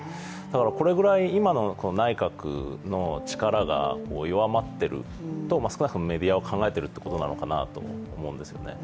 これぐらい、今の内閣の力が弱まってると少なくともメディアは考えているということなのかなと思うんですよね。